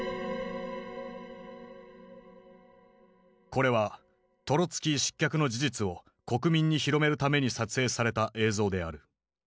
これはトロツキー失脚の事実を国民に広めるために撮影された映像である。